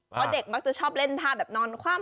เพราะเด็กมักจะชอบเล่นท่าแบบนอนคว่ำ